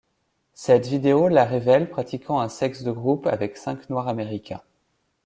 Cette vidéo la révèle pratiquant un sexe de groupe avec cinq noirs-Américains.